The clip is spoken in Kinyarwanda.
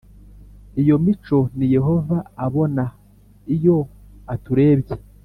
Iyo mico ni yo Yehova abona iyo aturebye